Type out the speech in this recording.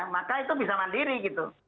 maka itu bisa mandiri gitu